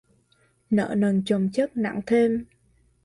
Nợ nần chồng chất nặng thêm